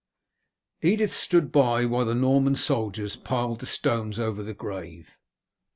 Edith stood by while the Norman soldiers piled the stones over the grave.